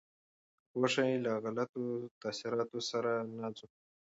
که پوه شو، نو له غلطو تاثیراتو سره نه ځو.